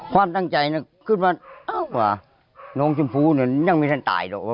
ความตั้งใจเนี่ยขึ้นมาโอ้วว่าน้องชุมภูย์เนี่ยยังไม่ได้ตายหรอก